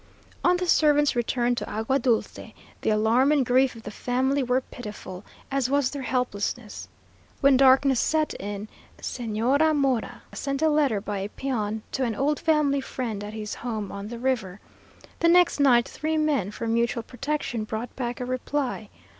On the servant's return to Agua Dulce, the alarm and grief of the family were pitiful, as was their helplessness. When darkness set in Señora Mora sent a letter by a peon to an old family friend at his home on the river. The next night three men, for mutual protection, brought back a reply.